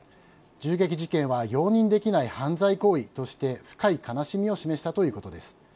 銃撃事件は容認できない犯罪行為として深い悲しみを示したということです。